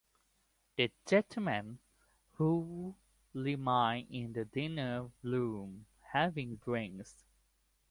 The gentlemen would remain in the dining room having drinks.